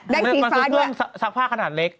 ได้สีฟ้าด้วยมันคือเครื่องซักผ้าขนาดเล็ก